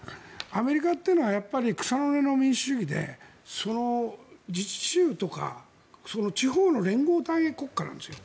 アメリカというのは草の根の民主主義でその自治州とか地方の連合体国家なんですよ。